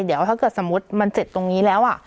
เดี๋ยวถ้าเกิดสมมุติมันเสร็จตรงนี้แล้ว